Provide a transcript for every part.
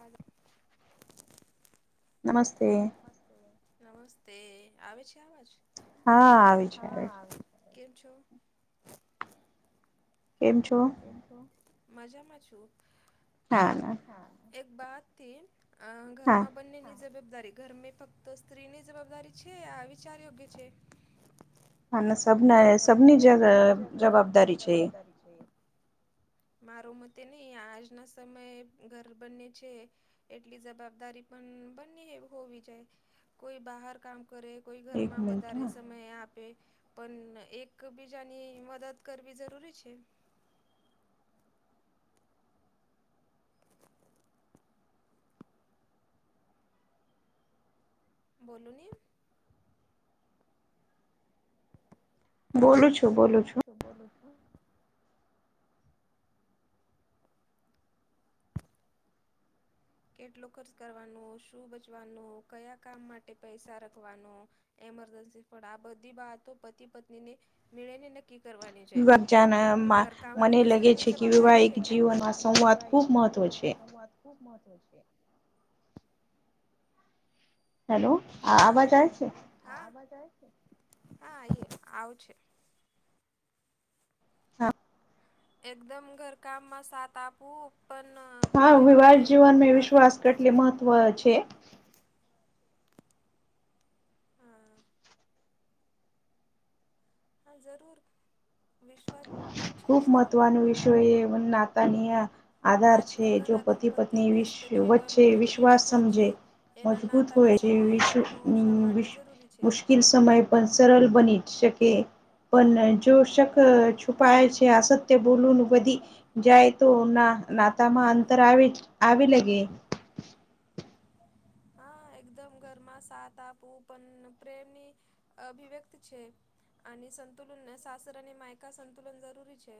અને. નમસ્તે. નમસ્તે આવે છે આવાજ? હા આવે. કેમ છો? કેમ છો? કેમ છો? મજામાં છું. હા. એક બાત થી ઘરમાં બંનેની જેબબદારી. ઘરમે ફક્ત સ્ત્રીની જવાબદારી છે આ વિચાર યોગ્ય છે. હ સબને સબની જ જવાબદારી છે એ. છે. મારો મતે નહી આજના સમયે ઘર બંને છે. એટલી જવાબદારી પણ બંને હોવી જાય કોઈ બહાર કામ કરે. કોઈ ઘરમાં વધારે સમય આપે. પણ એકબીજાની મદદ કરવી જરૂરી છે. [inaudible] બોલો ને. બોલું છો બોલુ છો. કેટલો ખર્ચ કરવાનું શું બચવાનું કયા કામ માટે પૈસા રખવાનો. એમરજન્સી ફ આ બધી બાતો પતિ પત્નીને મેળને. કરવાની ઘર કામ સ્ત્રીની જવાબદારી છે કે? વૈવાહિક જીવનમાં સંવાદ ખુબ મહત્વ છે. હેલો. હા હલો હા છે હા આવ છે. હા. એકદમ ઘરકામમાં સાથ આપવું પણ. હા વિવાહ જીવનમાં વિશ્વાસ કેટલી મહત્વ છે. હા જરૂર. ખૂબ મહત્વનો વિષય એ નાતાની. આધાર છે જો પતિ પત્ની વિસ વચ્ચે વિશ્વાસ સમજે. મજબૂત હોય છે વિશ અ વિશ. [unintelligible] સમય પણ સરળ બની શકે પણ જો શક છુપાય છે અસત્ય બોલું બધી જાય તો ના નાતામાં અંતર આવે જ. આવી લગે. હા એકદમ ઘરમાં સાત આપું પણ પ્રેમની અભિવ્યક્ત છે. અને સંતુલન શસરા અને માયકા સંતુલન જરૂરી છે.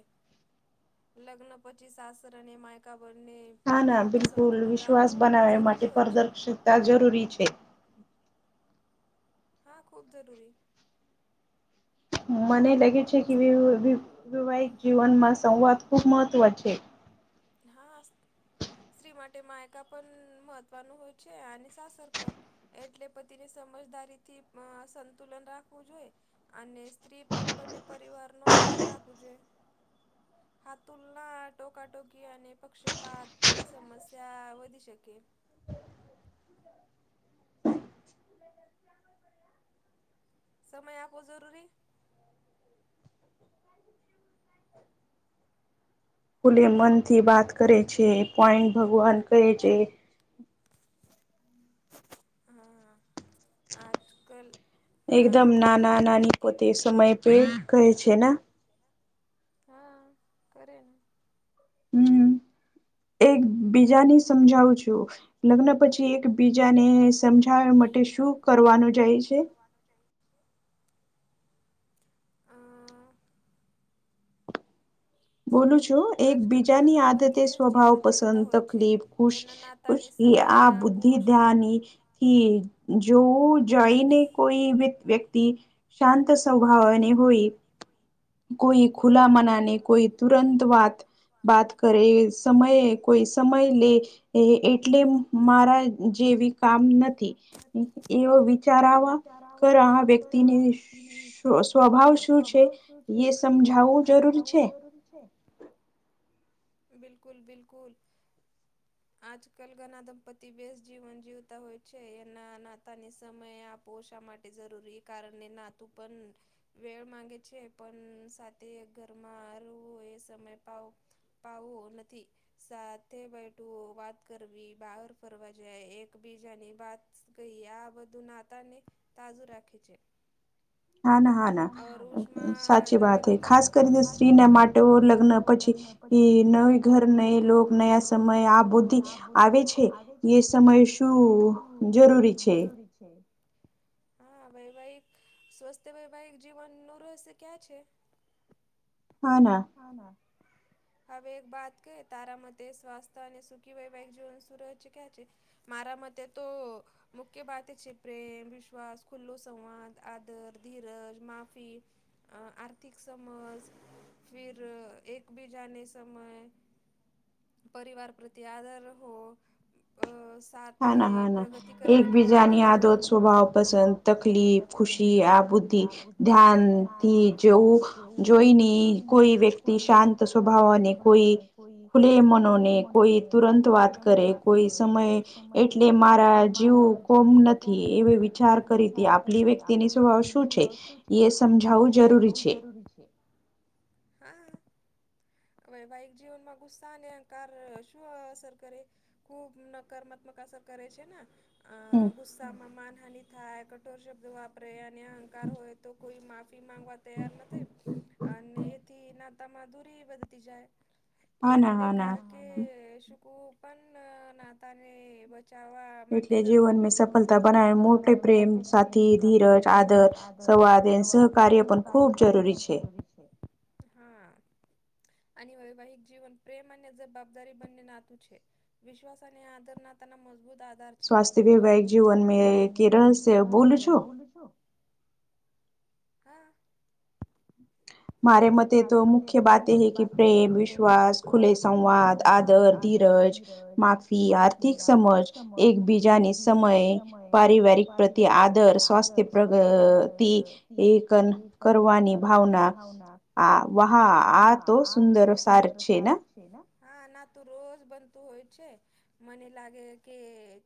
લગ્ન પછી સાસર અને માયકાબંને. નાાના બિલકુલ વિશ્વાસ બનાવવા માટે પારદર્શિતા જરૂરી છે. હા ખૂબ જરૂરી. મને લાગે છે કે વૈવાહિક જીવનમાં સંવાદ ખુબ મહત્વ છે. હા. સ્ત્રી માટે માયકા પણ મહત્વનું હોય છે અને સાસર પણ. એટલે પતિને સમજદારીથી સંતુલન રાખવું જોઈએ. અને સ્ત્રી પણ બંને પરિવાર નો આધર રાખવું જો ખતુલ નટ ટોકાટોકી અને પક્ષીપાતથી સમસ્યા વધી શકે. સમય આપો જરૂરી. ખુલે મનથી વાત કરે છે પોઈન્ટ ભગવાન કહે છે. હ. આજ કલ ઘના દંપતીતિ વ્યસ્ત મય પે કહે છે ને. હા કરે હમ. એક બીજાને સમજાવું છું લગ્ન પછી એક બીજાને સમજાવવા માટે શું કરવાનું જાય છે. આ બોલું છું એક બીજાની આદતે સ્વભાવ પસંદ, તકલીફ, ખુશ આ બુદ્ધિ ધ્યાન થી જો જોઈને કોઈ વ્યક્તિ શાંત સ્વભાવને હોય. કોઈ ખુલા મનાની કોઈ તુરંત વાત. બાત કરે સમય કોઈ સમય લે એ એટલે મારા જેવી કામ નથી. એવ વિચારાવા કર આ વ્યક્તિને સ્વભાવ શું છે એ સમજાવવું જરૂર છે. બિલકુલ બિલકુલ આજકાલ ઘના દંપતિ બેસ જીવન જીવતા હોય છે. એના નાતાની સમયે આપ પોષા માટે જરૂરી કારણણે નાતું પણ વેળ માંગે છે. પણ સાથે ઘરમાં રવું એ સમય પાવ પાાવો નથી. સાથે બેઠું વાત કરવી બહાર ફરવા જાય એકબીજાની વાત. ગઈએ આ બધું નાતાને તાજુ રાખે છે. સાચી વાત ખાસ કરીને સ્ત્રીને માટે ઓર લગ્ન પછી નવી ઘર ન લો નયા સમય આ બોધી આવે છે. સમય શું જરૂરી છે? હા વૈવાહિક સ્વસ્થ વૈવાહિક જીવન નું રહસ્ય ક્યાં છે? [inaudible] હા ના હના હવે એક વાત ક તારા મતે સ્વાસ્થ્ય અને સુખી વૈવાહિક જીવન સુર ચ ક્યા છે? મારા મતે તો મુખ્ય બાત છે પ્રેમ વિશ્વાસ ખુલ્લો સંવાદ આદર ધીરજ માફી અ આર્થિક સમજ ફિર એક બી જાને સમય પરિવાર પ્રતિ આદર હો. અ સાથે પ્રગતિ કરવાની ભાવના જોદ પસ તકલીફ ખુશી આ બુદ્ધિ ધ્યાનથી જેવું જોઈને. કોઈ વ્યક્તિ શાંત સ્વભાવ કોઈ ખુલે મનો કોઈ તુરંત વાત કરે કોઈ એટલે મારા જીવ કોમ નથી એ વિચાર કરી હતી આપલી વ્યક્તિની સ્ વ એ સમજાવું જરૂરી છે વૈવાહિક જીવનમાં ગુસ્સા અને અહંકાર શું અસર કરે ખૂબ નકારાત્મક અસર કરે છે ને અ ગુસ્સામાં માનહાની થાય, કઠોર શબ્દ વાપરે અને અહંકાર હોય. તો કોઈ માફી માંગવા તૈયાર નથી અને એથી નાતામાધુરી જાય એટલે કારે કે શુંકું પણ નાતા ને જાવા માટે જરૂરી બને. જીવનને સફળતા બનાવે મો પ્રેમ, સાથી, ધીરજ અ સવારે શું કાર્ય પણ ખુબ જરૂરી છે. હા. આની વૈવાહિક જીવન પ્રેમ અને જવાબદારી બંને નાતું છે. વિશ્વાસ અને આદરનાતાના મજબૂત આ સ્વાસ્થ્ય વૈવાહિક જીવન મે કે રહસ્ય બોલું છો? હા. મારે મતે તો મુખ્ય બાત હૈ કે પ્રેમ, વિશ્વાસ ખુલે સંવાદ, આદર, ધીરજ માફી, આર્થિક સમજ એકબીજાની સમય પારિવારિક પ્રતિ આદર સ્વાસ્થ્ય પ્રગતિ એક કરવાની ભાવના. આ વહા આ તો સુંદરો સાર છે ને. હા ના તું રોજ બનતું હોય જ છે. મને લાગે કે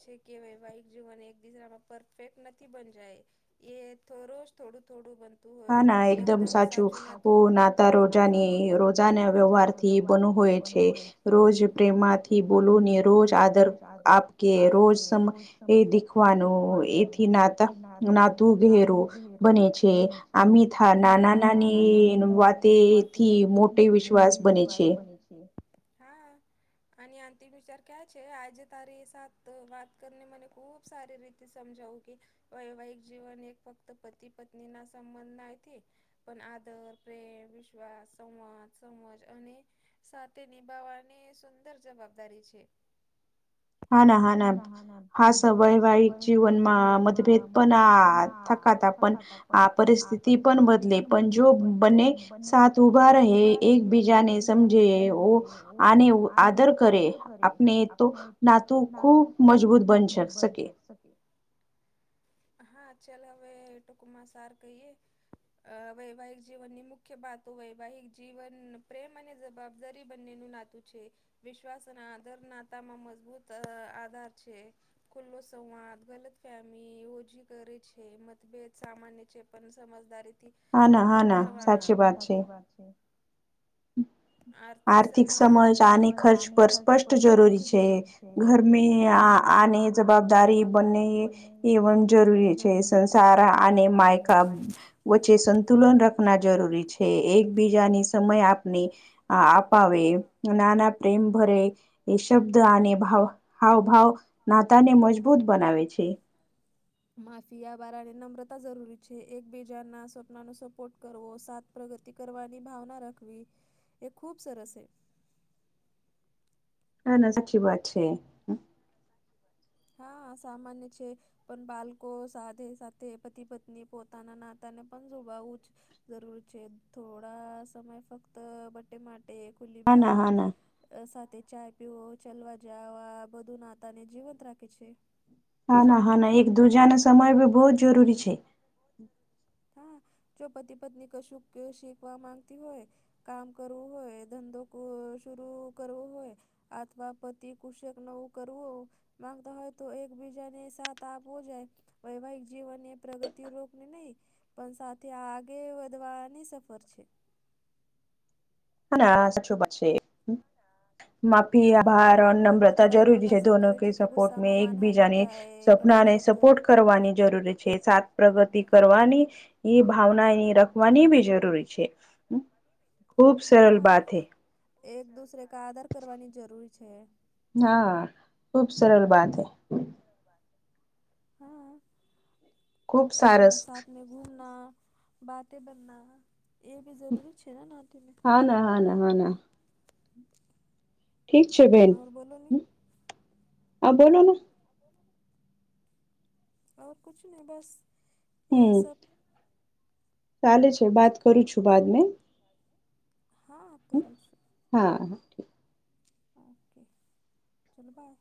છે કે વૈવાહિક જીવન એક બીજામાં પરફેક્ટ નથી બન જાય. એ થોડું જ થોડું થોડું બનતું હોય એકદમ સાચું નાતું નાતા રોજાની રોજાના વ્યવહારથી બન હોય છે રોજ પ્રેમાંથી બોલોને રોજ આદર આપ કે રોજ સમ એ દીખવાનું થી ના નાતું ઘેર બને છે. અમી થા નાના નાની વાથી એથી મોટે વિશ્વાસ બને છે. હા. આ આંતિમ વિચાર ક્યાં છે? આજે તારી સાત વાત કરીને મને ખુબ સારી રીત તે સમજાવું કે વૈવાહિક જીવન એક ફક્ત પતિ પત્ની ના સંબંધ નાથી પણ આદર, પ્રેમ, વિશ્વાસ, સંમાદ, સમજ અને સાથે નિભાવવાની સુંદર જવાબદારી છે. હા ના હા ના હાસ વૈવાહિક જીવનમાં મતભેદ પણ આ થતા તા પણ આ પરિસ્થિત પણ બદલે પણ જો ને સાથ ઉભા રહે એકબીજાને સમજે આને આદર કરે આપને તો નાતું ખૂબ મજબૂત બન શક શકે. હા ચાલ હવે ટૂંકમાં સાર કહીએ. અ વૈવાહિક જીવનની મુખ્ય બાતો વૈવાહિક જીવન પ્રેમ અને જવાબદારી બંનેનું નાત તું છે. વિશ્વાસ અને આદર નાતામાં મજબૂત આધાર છે. ખુલ્લો સંવાદ, ગલત ફેમી એવું જી કરે છે મતભેદ સામાન્ય છે પણ સમજદારી હદ કરવાના, સાચી વાત છે. આર્થિક સમય આની ખર્ચ પર સ્પષ્ટ જરૂરી છે. ઘર આને જવાબદારી બને ઇવન જરૂરી છે. સંસાર અને માયકા વચ્ચે સંતુલન રખના જરૂરી છે. એકબીજાની સમય આપની આ પાવે. નાના પ્રેમ ભરે એ શબ્દ અને ભાવ હાવભાવ નાતાને મજબૂત બનાવે છે. માફીયા બારાને નમ્રતા જરૂરી છે, એકબીજાના સપ્નાનો સપોર્ટ કરવો, સાત પ્રગતિ કરવાની ભાવના રાખવી એ ખૂબ સરસ હે. ના ના સાચી વાત છે. હા સામાન્ય છે. પણ બાળકો સાથે સાથે પતિ, પત્ની પોતાના નાતા ને પણ જોડાવું જ જરૂર છે. થોડા સમય ફક્ત બડે માટે ખુલી બાત સાથે ચાય પીવો, ચલવા જવા આ બધું નાતાને જીવંત રાખ ખે છે. હા ના હા ના એક દૂજ ના સમય ભી બહુ જરૂરી છે હા જો પતિ પત્ની કશું ક શીખવા માંગતી હોય કામ કરવું હોય ધંધો શર કરવો હોય અથવા પતિ કુશક નવું કરવું માંગતા હોય તો એકબીજાને સાથ આપવો જાય વૈવાહિક જીવન એ પ્રગતિ રોગ ને નહી પણ સાથે આગે વધવાની સફર છે હના સાચુંત છે માફી આભાર નમ્રતા જરૂરી છે દો કે સપોર્ટ મે એક બીજની સપના ન સપોર્ટ કર કરવાની જરૂરી છે સાત પ્રગતિ કરવાની એ ભાવના એની રખવાની બી જરૂરી છે ખુબ હા એક દુસરે ક આદર કરવાની જરૂરી છે હા ખુબ સરળ બાત હૈ હા સા ઘૂમના બાતૅ બનના હા ના હા ના હા ના ઠીક છે બેન હ હ બોલોને આવ કછ નહીં બસ હમ ચાલે છે બાત કરું છું બાદ મે હા કરું છું હા હા ઠીક ઓકે ચલોો બાય